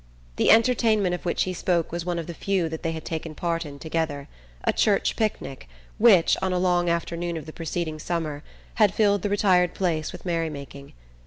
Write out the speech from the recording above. The entertainment of which he spoke was one of the few that they had taken part in together: a "church picnic" which, on a long afternoon of the preceding summer, had filled the retired place with merry making.